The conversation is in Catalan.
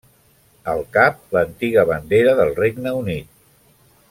Al cap, l'antiga bandera del Regne Unit.